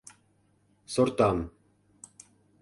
Сортам.